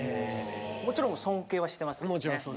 もちろん尊敬はしてますけどね。